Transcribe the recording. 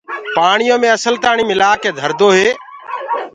پآڻيو مي اسل تآڻي مِلآ ڪي ڌردو هي۔